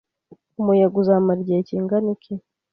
Umuyaga uzamara igihe kingana iki?